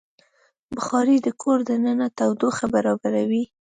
بخاري د کور دننه تودوخه برابروي.